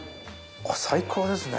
これ最高ですね